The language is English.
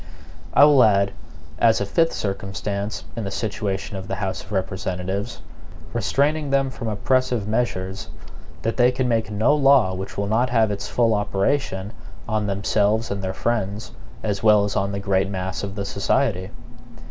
I will add, as a fifth circumstance in the situation of the House of Representatives, restraining them from oppressive measures, that they can make no law which will not have its full operation on themselves and their friends, as well as on the great mass of the society.